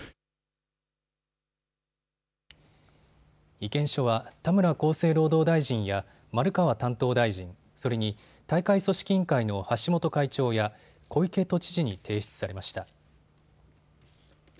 意見書は田村厚生労働大臣や丸川担当大臣、それに大会組織委員会の橋本会長や小池都知事に提出されました。